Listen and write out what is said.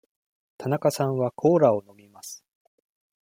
田中さんはコーラを飲みます。